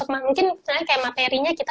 mungkin materinya kita